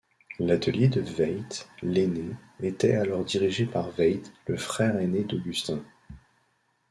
L'atelier de Veit l'aîné était alors dirigée par Veit, le frère aîné d'Augustin.